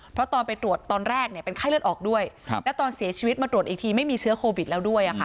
เพราะตอนไปตรวจตอนแรกเป็นไข้เลือดออกด้วยและตอนเสียชีวิตมาตรวจอีกทีไม่มีเชื้อโควิดแล้วด้วย